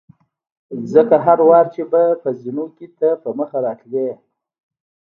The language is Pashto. ځکه هر وار چې به په زینو کې ته په مخه راتلې.